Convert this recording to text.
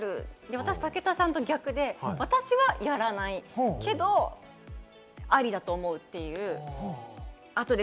私、武田さんと逆で、私はやらない、けど、ありだと思うっていう。